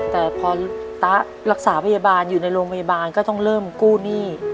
แต่พอตะรักษาพยาบาลอยู่ในโรงพยาบาลก็ต้องเริ่มกู้หนี้